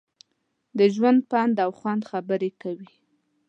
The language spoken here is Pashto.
د ژوند، پند او خوند خبرې کوي.